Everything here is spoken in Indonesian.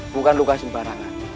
bukan luka sembarangan